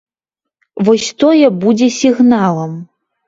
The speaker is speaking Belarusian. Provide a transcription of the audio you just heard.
Вось тое будзе сігналам.